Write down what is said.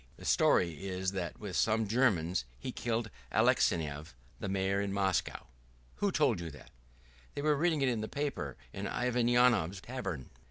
The story is that with some Germans he killed Alexeyev, the Mayor, in Moscow." "Who told you that?" "They were reading it in the paper, in Ivan Ionov's tavern."